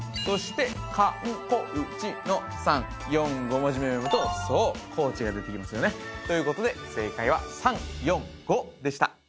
そして「かんこうち」の３４５文字目を読むとそう「こうち」が出てきますよねということで正解は３４５でした